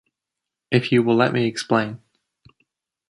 If you will let me explain.